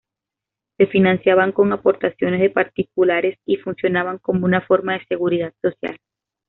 Se financiaban con aportaciones de particulares y funcionaban como una forma de seguridad social.